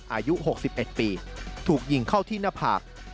อายุ๖๑ปีถูกยิงเข้าที่หน้าผาก